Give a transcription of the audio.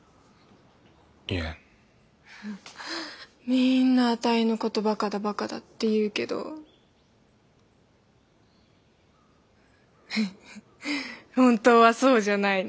みんなあたいの事バカだバカだって言うけどフフッ本当はそうじゃないの。